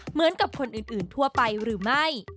เหมือนกับคนอื่นทั่วไปหรือไม่